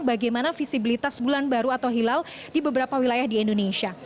bagaimana visibilitas bulan baru atau hilal di beberapa wilayah di indonesia